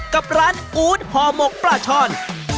กับร้านอู๊ดห่อหมกปลาช่อน